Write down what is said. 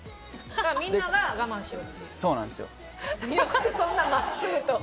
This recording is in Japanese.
だからみんなが我慢しろと。